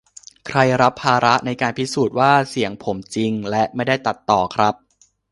ใครรับภาระในการพิสูจน์ว่าเสียงผมจริงและไม่ได้ตัดต่อครับ